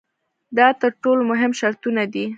دا تر ټولو مهم شرطونه دي.